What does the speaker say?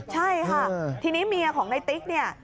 ใช่ค่ะทีนี้เมียของในติ๊กเนี่ย